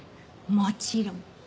もちろん。